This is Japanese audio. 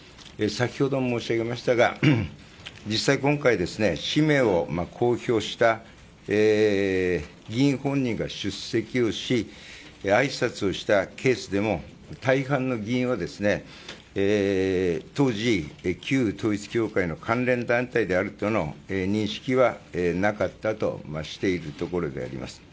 先ほども申し上げましたが実際、今回、氏名を公表した議員本人が出席をしあいさつをしたケースでも大半の議員は当時、旧統一教会の関連団体であるとの認識はなかったとしているところであります。